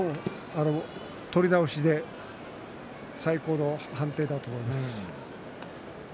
取り直して最高の判定だと思います。